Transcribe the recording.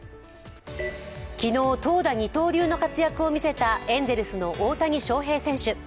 昨日、投打二刀流の活躍を見せたエンゼルス・大谷翔平選手。